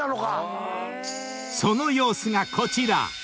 ［その様子がこちら］